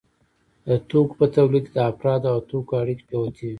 د توکو په تولید کې د افرادو او توکو اړیکې جوتېږي